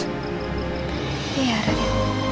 ini ya raden